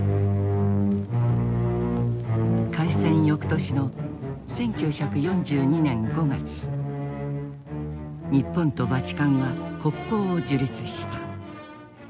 開戦翌年の１９４２年５月日本とバチカンは国交を樹立した。